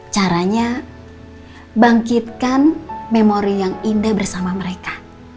caranya bangkitkan memori yang indah bersama mereka